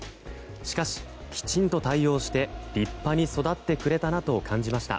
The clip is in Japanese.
しかし、きちんと対応して立派に育ってくれたなと感じました。